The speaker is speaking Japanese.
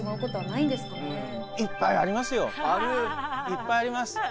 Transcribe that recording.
いっぱいありますよ。